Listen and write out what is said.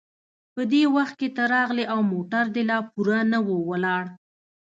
په دې وخت کې ته راغلې او موټر دې لا پوره نه و ولاړ.